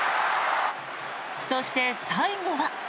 そして、最後は。